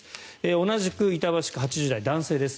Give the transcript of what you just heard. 同じく板橋区の８０代男性です。